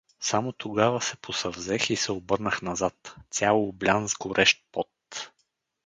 Само тогава се посъвзех и се обърнах назад, цял облян с горещ пот.